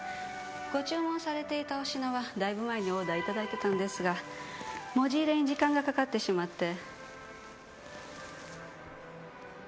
ご注文されていたお品はだいぶ前にオーダーいただいてたんですが文字入れに時間がかかってしまって。